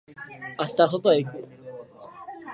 明日外へ行く。